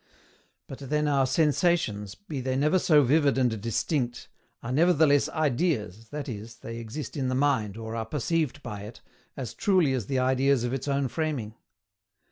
But then our sensations, be they never so vivid and distinct, are nevertheless IDEAS, that is, they exist in the mind, or are perceived by it, as truly as the ideas of its own framing.